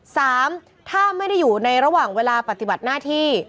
สามถ้าไม่ได้อยู่ในระหว่างเวลาปฏิบัติหน้าที่